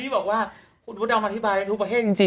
เห็นไหมฮะในกระหนดเดียวกันเนี่ย